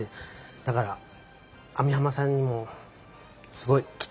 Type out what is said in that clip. だから網浜さんにもすごい期待してるんです。